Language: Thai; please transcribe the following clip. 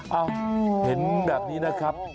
เอ้าเห็นแบบนี้นะครับ